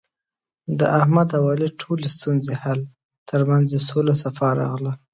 د احمد او علي ټولې ستونزې حل، ترمنځ یې سوله صفا راغله.